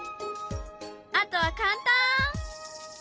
あとは簡単！